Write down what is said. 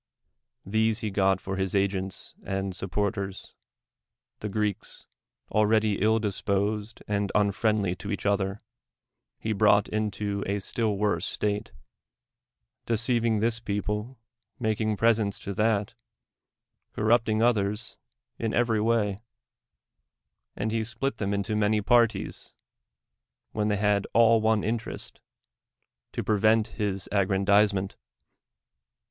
Tlu se he got for his agents and supporters : tlie Greel:s, already ill disposed nnd unfriendly to each other, he brought into a still wovae state, deceiving this DEMOSTHENES people, making presents to that, corrupting others in every ^^•ay ; and he split them into many parties, vdien they had all one interest, to pre vent his aggrandizement.